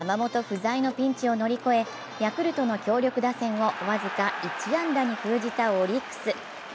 エース・山本不在のピンチを乗り越え、ヤクルトの強力打線を僅か１安打に封じたオリックス。